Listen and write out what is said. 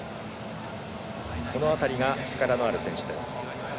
この辺りが力のある選手です。